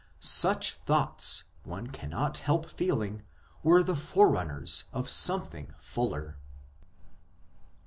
Such thoughts, one cannot help feeling, were the forerunners of something fuller.